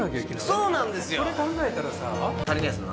それ考えたらさ。